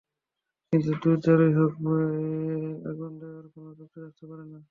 কিন্তু দোষ যাঁরই হোক, বইয়ে আগুন দেওয়ার কোনো যুক্তি থাকতে পারে না।